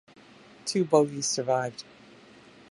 Two bogies survived.